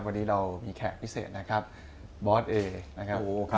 วันนี้เรามีแขกพิเศษนะครับบอสเอนะครับ